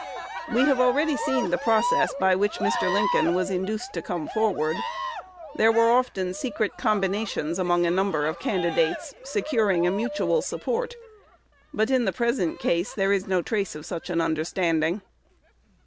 We have already seen the process by which Mr. Lincoln was induced to come forward. There were often secret combinations among a number of candidates, securing a mutual support; but in the present case there is no trace of such an understanding.